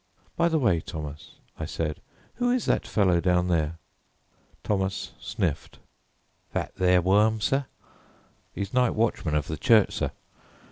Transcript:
"By the way, Thomas," I said, "who is that fellow down there?" Thomas sniffed. "That there worm, sir? 'Es night watchman of the church, sir.